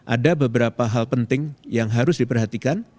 ada beberapa hal penting yang harus diperhatikan